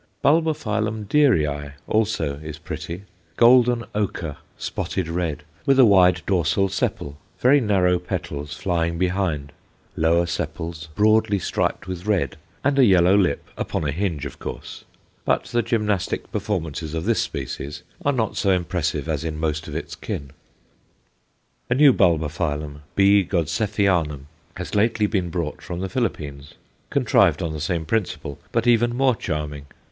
Bulbophyllum Dearei also is pretty golden ochre spotted red, with a wide dorsal sepal, very narrow petals flying behind, lower sepals broadly striped with red, and a yellow lip, upon a hinge, of course; but the gymnastic performances of this species are not so impressive as in most of its kin. A new Bulbophyllum, B. Godseffianum, has lately been brought from the Philippines, contrived on the same principle, but even more charming.